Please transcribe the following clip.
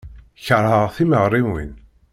Keṛheɣ timeɣriwin.